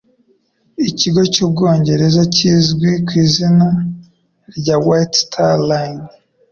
ikigo cy'ubwongereza kizwi ku izina rya White Star Line.